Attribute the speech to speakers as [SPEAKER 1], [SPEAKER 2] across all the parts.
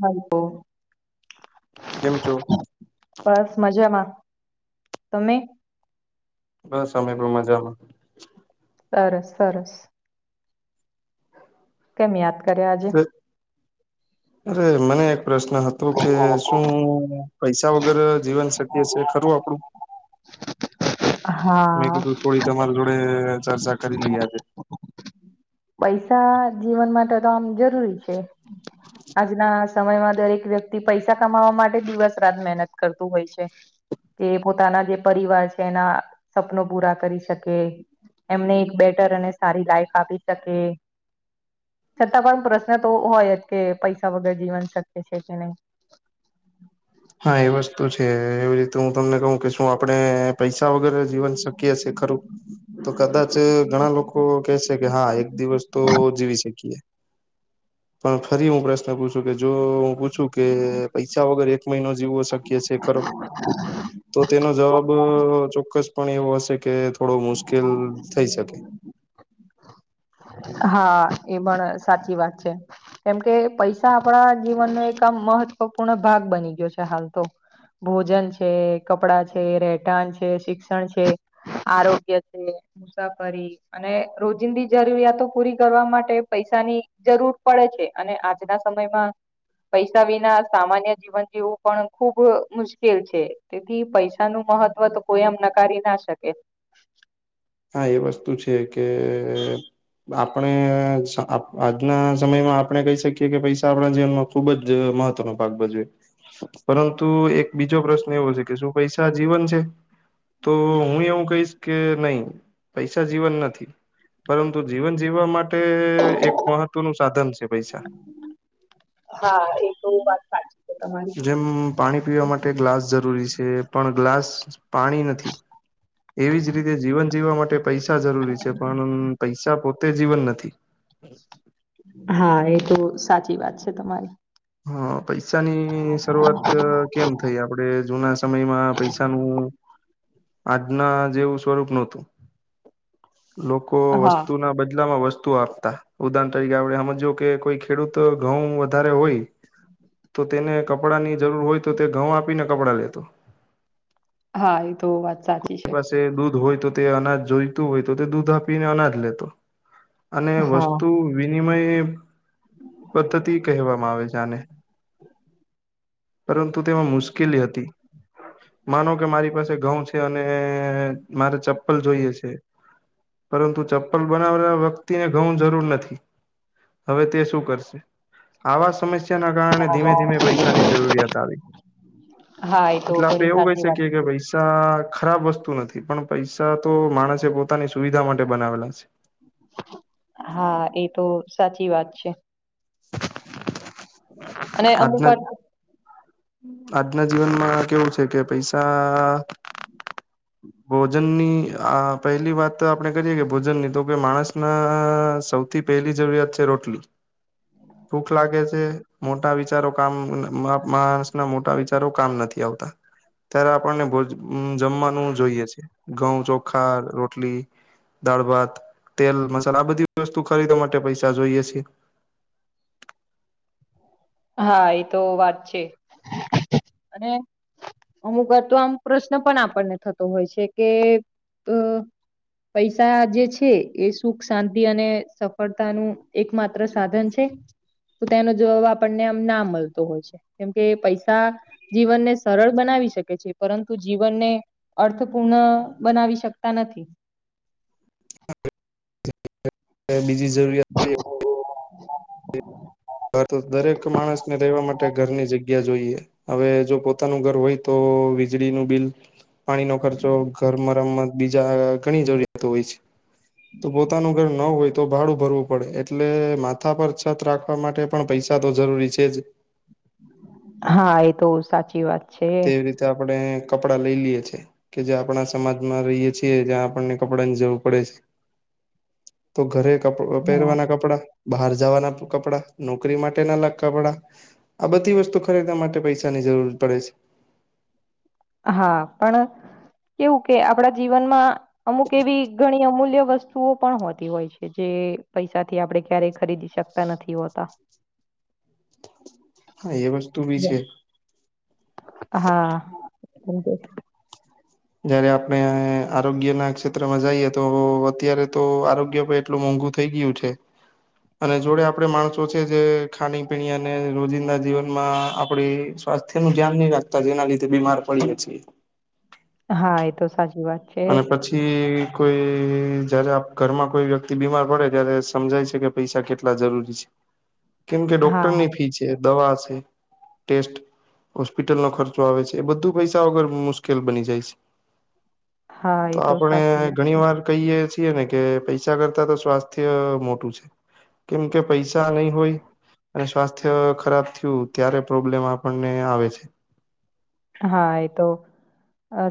[SPEAKER 1] હ તો
[SPEAKER 2] કેમ છો
[SPEAKER 1] બસ મજામાં તમે
[SPEAKER 2] બસ અમે પણ મજામાં.
[SPEAKER 1] સરસ સરસ કેમ યાદ કર્યા આજે.
[SPEAKER 2] અરે મને એક પ્રશ્ન હતો? તો કે શું પૈસા વગેરે જીવન શકીએ છે ખરું આપડું? મેં
[SPEAKER 1] હા
[SPEAKER 2] કીધું થોડી તમારી જોડે ચર્ચા કરી લિયે આજે.
[SPEAKER 1] પૈસા જીવન માટે તોતો આમ જરૂરી છે. આ સમયમાં દરેક વ્યક્તિ પૈસા કમાવા માટે દિવસ રાત મહેનત કરતું હોય છે. એ પોતાના જે પરિવાર છે એના, સપનો પૂરા કરી શકે. એમને એક બેટર અને સારી લાઈફ આપી શકે. છતાં પણ પ્રશ્ન તો હોયજ, કે પૈસા વગર જીવન શક્ય છે કે નહીં?
[SPEAKER 2] હા એ વસ્તુ છે, એવી રીતે હું તમને કહું કે શું આપણે પૈસા વગેરે જીવન શક્ય છે ખરું? તો કદાચ ઘણા લોકો કેશે કે હા એક દિવસ તો જીવી શકીએ, પણ ફરી હું પ્રશ્ન પૂછું કે, જો હું પૂછું કે પૈસા વગર એક મહિનો જીવો શક્ય છે ખરો? તો તેનો જવાબ ચોક્કસ પણ એવો હશે કે થોડો મુશ્કેલ થઈ શકે. [inaudible]
[SPEAKER 1] હા એ પણ સાચી વાત છે. કેમ કે પૈસા આપણા જીવનનો એક આમ મહત્વપૂર્ણ ભાગ બની ગયો છે હાલ તો. ભોજન છે, કપડા છે, રહેઠાણ છે, શિક્ષણ છે. આરોગ્ય છે, મુસાફરી અને રોજિંદી જરૂરિયાતો પૂરી કરવા માટે પૈસાની જરૂર પડે છે, અને આજના સમયમાં પૈસા વિના સામાન્ય જીવન જીવું પણ ખુબ મુશ્કેલ છે. તેથી પૈસા નું મહત્વ તો કોઈ એમ નકારી ના શકે.
[SPEAKER 2] હા એ વસ્તુ છે કે આપણે આ અ આજના સમયમાં આપણે કહી શકીએ કે પૈસા આપણા જીવનમાં ખુબજ મહત્વનો ભાગ ભજવે. પરંતુ એક બીજો પ્રશ્ન એવો છે કે, શું પૈસા જીવન છે? તો હું એવું કહીશ કે નહી, પૈસા જીવન નથી. પરંતુ જીવન જીવવા માટે એક મહત્વનું સાધન છે પૈસા.
[SPEAKER 1] હા એ તો વાત સાચી છે તમારી.
[SPEAKER 2] જેમ પાણી પીવા માટે ગ્લાસ જરૂરી છે, પણ ગ્લાસ પાણી નથી, એવી જ રીતે જીવન જીવવા માટે પૈસા જરૂરી છે, પણ પૈસા પોતે જીવન નથી.
[SPEAKER 1] હા એ તો સાચી વાત છે તમારી.
[SPEAKER 2] હા પૈસાની શરૂઆત કેમ થઈ? આપડે જૂના સમયમાં પૈસાનું આજના જેવું સ્વરૂપ નહોતું. લોકો
[SPEAKER 1] હા
[SPEAKER 2] વસ્તુ ના બદલા માં વસ્તુ આપ તા ઉદાણ તરીકે આપડે હમજો કે કોઈ ખેડૂતો ઘઉં વધારે હોય. તો તેને કપડાં ની જરૂર હોય, તો તે ઘઉ આપીને કપડાં લેતો.
[SPEAKER 1] હા એ તો વાત સાચી
[SPEAKER 2] એ
[SPEAKER 1] છે.
[SPEAKER 2] પાસે દૂધ હોય તો તે અનાજ જોઈતું હોય, તો તે દૂધ આપીને અનાજ લેતો. અને
[SPEAKER 1] હા.
[SPEAKER 2] વસ્તુ વિનિમય પદ્ધતિ કહેવામાં આવે છે આને. પરંતુ તેમાં મુશ્કેલી હતી, માનો કે મારી પાસે ઘઉં છે અ ને મારે ચપ્પલ જોઈએ છે. પરંતુ ચપ્પલ બનાવનાર વ્યક્તિને ઘઉં જરૂર નથી. હવે તે શું કરશે? આવા સમસ્ય યાના કારણે ધીમે ધીમે પૈસાની જરૂરિયાત આવી.
[SPEAKER 1] હા એ તો
[SPEAKER 2] એટલે આપડે
[SPEAKER 1] ઘણી
[SPEAKER 2] એવું કહી
[SPEAKER 1] સાચી વાત
[SPEAKER 2] શકીએ કે
[SPEAKER 1] કીધી
[SPEAKER 2] પઇ સા ખરાબ વસ્તુ નથી, પણ પૈસા તો માણસે પોતાની સુવિધા માટે બનાવેલા છે.
[SPEAKER 1] હા એ તો સાચી વાત છે.
[SPEAKER 2] [inaudible]
[SPEAKER 1] અને અમુક
[SPEAKER 2] આજના
[SPEAKER 1] વાત
[SPEAKER 2] આજના જીવનમાં કેવું છે કે પૈસા ભોજનની આ પહેલી વાત આપણે કરીએ કે ભોજનની તો કે માણસના સૌ થી પહેલી જરૂરિયાત છે રોટલી. ભૂખ લાગે છે મોટા વિચારો કામ માણસ ના મોટા વિચારો કામ નથી આવતા ત્યારે આપણને જમવાનું જોઈએ છે ઘઉં ચોખા રોટલી દાળ ભાત તેલ મસાલા આ બધી વસ્તુ ખરીદવા માટે પૈસા જોઈએ છીએ.
[SPEAKER 1] હા એતો વાત છે અને અમુક વાત આમ પ્રશ્ન પણ આપણને થતો હોય છે કે પૈસા જે છે એ સુખ શાંતિ અને સફળતાનું એક માત્ર સાધન છે. તો તેનો જવાબ આપણને આમ ના મળતો હોય છે કેમકે પૈસા. જીવનને સરળ બનાવી શકે છે પરંતુ જીવનને અર્થપૂર્ણ બનાવી શકતા નથી.
[SPEAKER 2] બીજી જરૂરિયાત.
[SPEAKER 1] [unintelligible]
[SPEAKER 2] હવે તો દરેક માણસ ને રહેેવા માટે ઘરની જગ્યા જોઈએ હવે જો પોતાનું ઘર હોય તો વીજળીનું બિલ પાણીનો ખર્ચો ઘર મરમત બીજા ઘણી જરૂરિયાતો હોય છે. તો પોતાનું ઘર ન હોય તો ભાડું ભરવું પડે એટલે માથા પર છત રાખ આપવા માટે પણ પૈસા તો જરૂરી છે જ.
[SPEAKER 1] હા એ તો સાચી વાત છે.
[SPEAKER 2] તેવી રીતે આપણેે કપડા લઈ લઈએ છેીએ કે જે આપણા સમાજમાં રહીએે છીએ ત્યાં આપણને કપડા ને જવું પડે છે તો ઘરે કપ
[SPEAKER 1] હા.
[SPEAKER 2] પહેરવાના કપડા બહાર જવાના કપડા નોકરી માટે ના અલગ કપડા આ બધી વસ્તુ ખરીદવા માટે પૈસાની જરૂર પડે છે
[SPEAKER 1] હા પણ કેવું કે આપણા જીવનમાં અમુક એવી ઘણી અમૂલ્ય વસ્તુ વસ્તુઓ પણ હોતી હોય છે જે પૈસાથી આપડણે ક્યારેય ખરીદી શકતા નથી હોતા
[SPEAKER 2] હા એ વસ્તુ ભી છે
[SPEAKER 1] હા
[SPEAKER 2] જયારે આપણે આરોગ્ય ના ક્ષેત્રમાં જઈએ તો અત્યારે તો આરોગ્ય પે એટલું મોંઘુ થઇ ગયું છે અને જોડે આપડે માણસો છે જે ખાણી પીણી અને રોજિંદા જીવનમાં આપડી સ્વાસ્થ્ય નું ધ્યાન નહીં રાખતા જેના લીધે બીમાર પડીએ છીએ
[SPEAKER 1] હા એ તો સાચી વાત છે
[SPEAKER 2] અને પછી કોઈ જયારે ઘરમાં કોઈ વ્યક્તિ બીમાર પડે ત્યારે સમજાય છે કે પૈસા કેટલા જરૂરી છે કેમ કે
[SPEAKER 1] હા
[SPEAKER 2] ડોક્ટરની ફી છે જે દવા છે ટેસ્ટ હોસ્પિટલનો ખર્ચો આવે છે એ બધું પૈસા વગર મુશ્કેલ બની જાય છે
[SPEAKER 1] હા
[SPEAKER 2] તો
[SPEAKER 1] એ
[SPEAKER 2] આપણે
[SPEAKER 1] સાચી વાત છે.
[SPEAKER 2] ઘણી વાર કહીએ છીએ ને કે પૈસા કરતા તો સ્વાસ્થ્ય મોટું છે કેમ કે પૈસા નહીં હોય અને સ્વાસ્થ્ય ખરાબ થયું ત્યારે પ્રોબ્લેમ આપણને આવે છે
[SPEAKER 1] હા એ તો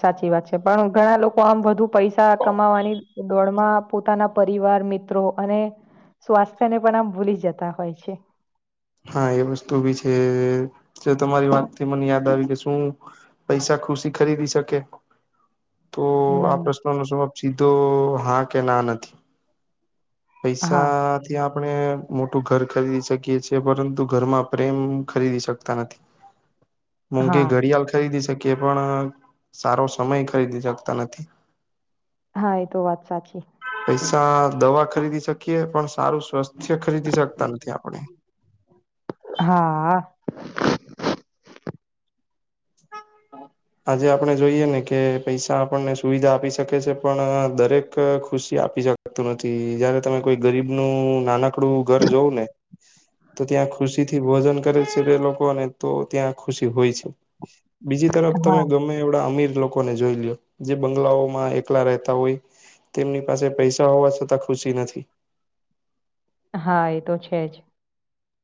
[SPEAKER 1] સાચી વાત છે પણ ઘણા લોકો આમ વધુ પૈસા કમાવાની દોડમાં પોતાના પરિવાર મિત્રો અને સ્વાસ્થ્ય ને પણ આમ ભૂલી જતા હોય છે
[SPEAKER 2] હા એ વસ્તુ બી છે જો તમારી વાતથી મને યાદ આવી કે શું પૈસા ખુશી ખરીદી શકે તો આ
[SPEAKER 1] ના
[SPEAKER 2] પ્રશ્ન નો જવાબ સીધો હા કે ના નથી
[SPEAKER 1] હા
[SPEAKER 2] પૈસા ત્યાં આપણે મોટું ઘર ખરીદી શકીએ છેએ પરંતુ ઘરમાં પ્રેમ ખરીદી શકતા નથી
[SPEAKER 1] હા
[SPEAKER 2] મોંઘી ઘડીયાલ ખરીદી શકીએ પણ સારો સમય ખરીદી શકતા નથી.
[SPEAKER 1] હા એ તો વાત સાચી
[SPEAKER 2] પૈસા દવા ખરીદી શકીએ પણ સારું સ્વાસ્થ્ય ખરીદી શકતા નથી, આપણે
[SPEAKER 1] હા
[SPEAKER 2] [inaudible] આજે આપણે જોઈએ ને કે પૈસા આપણને સુવિધા આપી શકે છે. પણ દરેક ખુશી આપી શકે તું નથી જયારે તમે કોઈ ગરીબ નું નાનકડું ઘર જવ ને તો ત્યાં ખુશી થી ભોજન કરે છે, તે લોકોને તો ત્યાં ખુશી હોય છે બીજી તરફ તમે
[SPEAKER 1] હા,
[SPEAKER 2] ગમે એ અમીર લોકોને જોઈ લ્યો જે બંગલાઓમાં એકલા રહેતા હોય. તેમની પાસે પૈસા હોવા છતાં ખુશી નથી
[SPEAKER 1] હા એ તો છે, જ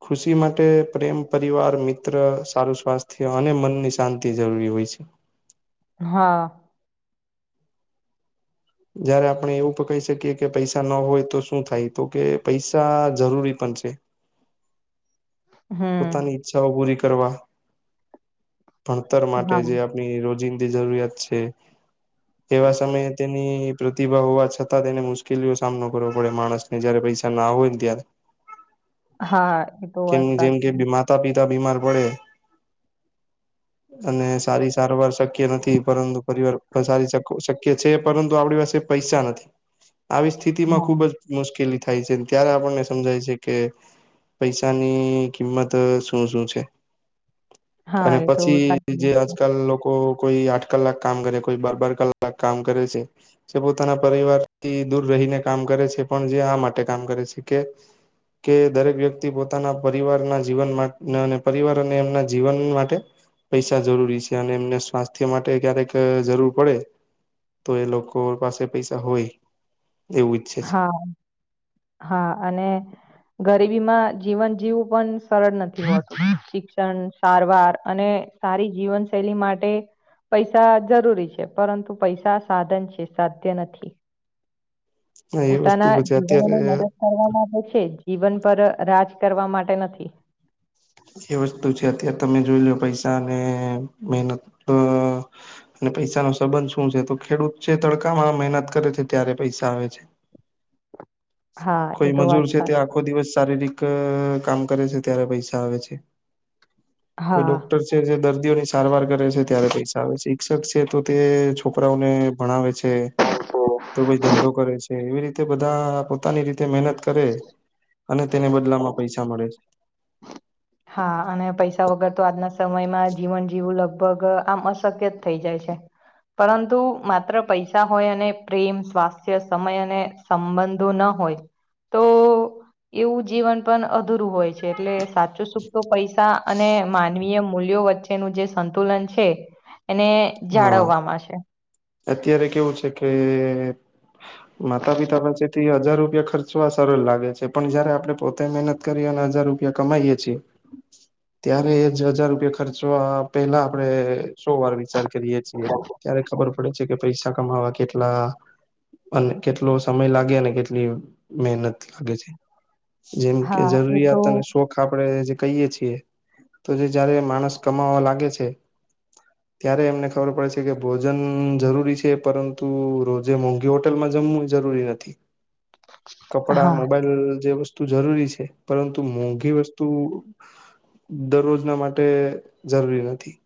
[SPEAKER 2] ખુશી માટે પ્રેમ પરિવાર મિત્ર સારું સ્વાસ્થ્ય અને મનની શાંતિ જરૂરી હોય છે.
[SPEAKER 1] હા
[SPEAKER 2] જયારે આપણે એવું પણ કહી શકીએ કે પૈસા ન હોય તો શું થાય તો કે પૈસા જરૂરી પણ છે. પોતાની
[SPEAKER 1] હમ.
[SPEAKER 2] ઈચ્છાઓ પૂરી કરવા ભણતર માટે
[SPEAKER 1] હા,
[SPEAKER 2] જે ની રોજિંદી જરૂરિયાત છે. એવા સમયે તેની પ્રતિભા હોવા છતાં તેને મુશ્કેલીઓ સામનો કરવો પડે માણસને જયારે પૈસા ના હોય ને ત્યારે હમ
[SPEAKER 1] હા, એ તો વાત સાચી
[SPEAKER 2] માતા પિતા બીમાર પડે અને સારી સારવાર શક્ય નથી. પરંતુ પરિવાર પણ સારી શ શક્ય છે પરંતુ આપડી પાસે પૈસા નથી, આવી સ્થિતિ માં
[SPEAKER 1] હા,
[SPEAKER 2] ખુબજ મુશ્કેલી થાય છે, ત્યારે આપણને સમજાય છે, કે પૈસાની કિંમત શું શું છે.
[SPEAKER 1] હા,
[SPEAKER 2] અને
[SPEAKER 1] એ તો
[SPEAKER 2] પછી
[SPEAKER 1] સાચી
[SPEAKER 2] જે
[SPEAKER 1] વાત છે.
[SPEAKER 2] આજકાલ લોકો કોઈ આઠ કલાક કામ કરે કોઈ બરબર કલાક કામ કરે છે. જે પોતાના પરિવારથી દૂર રહીને કામ કરે છે પણ જે આ માટે કામ કરે છે, કે કે દરેક વ્યક્તિ પોતાના પરિવારના જીવન અને પરિવાર અને એમના જીવન માટે પૈસા જરૂરી છે. અને એમને સ્વાસ્થ્ય માટે ક્યારેક જરૂર પડે તો એ લોકો પાસે પૈસા હોય એવું ઈચ્છે છે.
[SPEAKER 1] હા અને ગરીબી માં જીવન જીવવું પણ સરળ નથી હોતુ, શિક્ષણ સારવાર અને સારી જીવન શૈલી માટે પૈસા જરૂરી છે, પરંતુ પૈસા સાધન છે સાધ્ય નથી.
[SPEAKER 2] છે એ વસ્તુ
[SPEAKER 1] પોતાના
[SPEAKER 2] પછી
[SPEAKER 1] જીવનને
[SPEAKER 2] અત્યારે
[SPEAKER 1] મદદ કરવા ગ છે જીવન પર રાજ કરવા માટે નથી
[SPEAKER 2] એ વસ્તુ છે. અત્યારે તમે જોઈ લો પૈસા અને મહેનત તો અને પૈસા નો સંબંધ શું છે તો ખેડૂત જે તડકામાં મહેનત કરે છે, ત્યારે પૈસા આવે છે.
[SPEAKER 1] હા, એ
[SPEAKER 2] કોઈ
[SPEAKER 1] તો
[SPEAKER 2] મજૂર
[SPEAKER 1] વાત
[SPEAKER 2] છે,
[SPEAKER 1] સાચી.
[SPEAKER 2] ત્યાં આો દિવસ શારીરિક કામ કરે છે. ત્યારે પૈસા આવે છે, કોઈ
[SPEAKER 1] હા
[SPEAKER 2] ડોક્ટર જે દર્દીઓની સારવાર કરે છે ત્યારે પૈસા આવે શિક્ષક છે તો તે છોકરાઓને ભણાવે છે. તો ભાઈ ધંધો કરે છે એવી રીતે બધા પોતાની રીતે મહેનત કરે અને તેને બદલામાં પૈસા મળે છે.
[SPEAKER 1] હા અને પૈસા વગર તો આજના સમયમાં જીવન જીવું લગભગ આમ સક્યત થઈ જાય છે. પરંતુ માત્ર પૈસા હોય અને પ્રેમ સ્વાસ્થ્ય સમય અને સંબંધો ના હોય. તો એવું જીવન પણ અધૂરું હોય છે. એટલે સાચ ૂતો પૈસા અને માનવીય મૂલ્યો વચ્ચેનું જે સંતુલન છે, એને
[SPEAKER 2] હા
[SPEAKER 1] જાળવવામાં છે.
[SPEAKER 2] અત્યારે કેવું છે કે માતા પિતા પાસેથી હજાર રૂપિયા ખર્ચવા સરલ લાગે છે પણ જયારે આપડે પોતાની મહેનત કરીએ ને હજાર રૂપિયા કમાઈએ છીએ ત્યારે એજ હજાર રૂપિયા ખર્ચવા પેહલા આપડે સો વાર વિચાર કરીએ છીએ ત્યારે ખબર પડે છે કે પૈસા કમાવા કેટલા અને કેટલો સમય લાગે અને કેટલી મહેનત લાગે છે. જેમ કે
[SPEAKER 1] હા એ તો
[SPEAKER 2] જરૂરિયાત અને શો ખ આપડે જે કહીએ છીએ તો જે જયારે માણસ કમાવા લાગે છે ત્યારે એમને ખબર પડે છે કે ભોજન જરૂરી છે પરંતુ રોજે મોંઘી હોટેલમાં જમવું એ જરૂરી નથી. કપડાં,
[SPEAKER 1] હા
[SPEAKER 2] મોબાઈલ જે વસ્ તો જરૂરી છે પરંતુ મોંઘી વસ્તુ દરરોજના માટે જરૂરી નથી.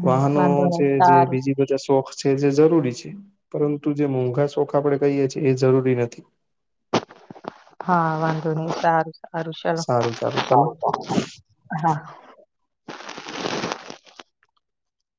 [SPEAKER 1] હમ
[SPEAKER 2] વાહનો
[SPEAKER 1] વાંધો
[SPEAKER 2] છે
[SPEAKER 1] નહી
[SPEAKER 2] જે
[SPEAKER 1] સારું
[SPEAKER 2] બીજી બધા શોખ છે જે જરૂરી છે પરંતુ જે મોંઘા શોખ આપણે કહીએ છે એ જરૂરી નથી.
[SPEAKER 1] હા વાંધો નહીં સારું સારું
[SPEAKER 2] સારું ચાલો
[SPEAKER 1] ચલો હા.